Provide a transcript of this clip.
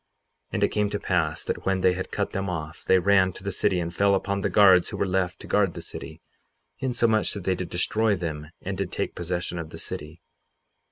58:21 And it came to pass that when they had cut them off, they ran to the city and fell upon the guards who were left to guard the city, insomuch that they did destroy them and did take possession of the city.